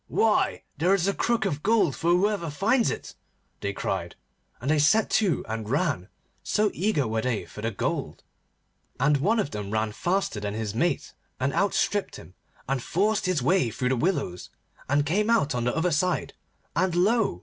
'Why! there is a crook of gold for whoever finds it,' they cried, and they set to and ran, so eager were they for the gold. And one of them ran faster than his mate, and outstripped him, and forced his way through the willows, and came out on the other side, and lo!